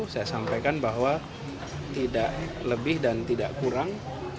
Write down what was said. saya sampaikan bahwa tidak lebih dan tidak kurang